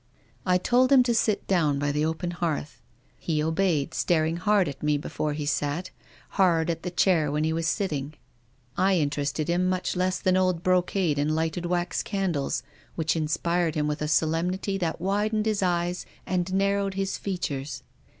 I told him to sit down by the open hearth. He obeyed, staring hard at me before he sat, hard at the chair when he was sitting. I interested him much less than old bro cade and lighted wax candles, which inspired him with a solemnity that widened his eyes and nar rowed his features.